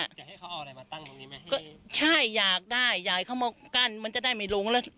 อยากให้เขาเอาอะไรมาตั้งตรงนี้ไหมก็ใช่อยากได้อยากให้เขามากั้นมันจะได้ไม่ลงแล้ว